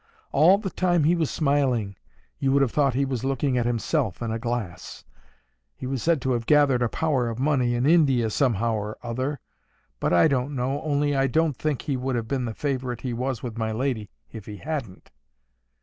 All the time he was smiling, you would have thought he was looking at himself in a glass. He was said to have gathered a power of money in India, somehow or other. But I don't know, only I don't think he would have been the favourite he was with my lady if he hadn't.